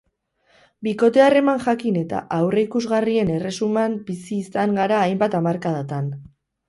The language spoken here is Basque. Bikote-harreman jakin eta aurreikusgarrien erresuman bizi izan gara hainbat hamarkadatan.